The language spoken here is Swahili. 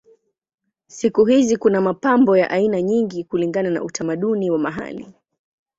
Siku hizi kuna mapambo ya aina nyingi kulingana na utamaduni wa mahali.